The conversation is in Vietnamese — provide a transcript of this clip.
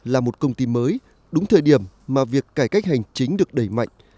là một công ty mới đúng thời điểm mà việc cải cách hành chính được đẩy mạnh